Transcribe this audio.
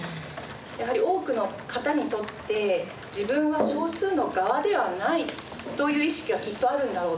やはり多くの方にとって「自分は少数の側ではない」という意識はきっとあるんだろう。